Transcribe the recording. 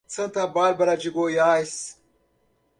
Santa Bárbara de Goiás